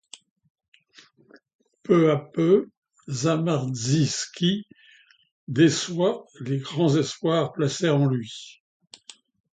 Peu à peu Samardžiski déçoit les grands espoirs placés en lui.